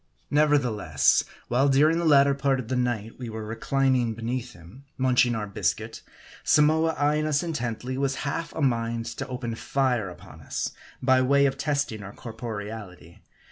Nevertheless, while during the latter part of the night we were reclining beneath him, munching our biscuit, Samoa eyeing us intently, was half a mind to open fire upon us by way of testing our corporeality.